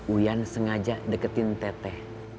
uyan sengaja deketin teteh